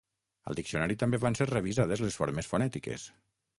Al diccionari també van ser revisades les formes fonètiques.